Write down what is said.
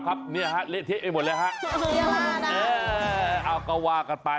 ขี่มันนะครับ